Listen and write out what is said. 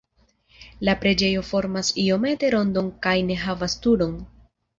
La preĝejo formas iomete rondon kaj ne havas turon.